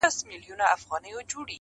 ﻻس چي مات سي غاړي ته لوېږي.